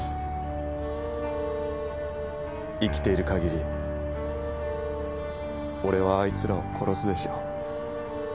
生きている限り俺はあいつらを殺すでしょう。